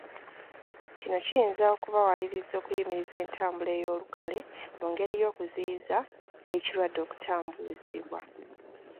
Kino kiyinza okubawaliriza okuyimiriza entambula ey’olukale mu ngeri y’okuziyizza ekirwadde okutambuzibwa.